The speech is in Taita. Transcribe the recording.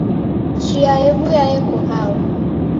Chia yew'uya yeko hao